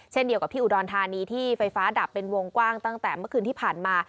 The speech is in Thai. เช่นเดียวกับที่อุดรธานีที่ไฟฟ้าดับเป็นวงกว้างตั้งแต่เมื่อคืนที่ผ่านมา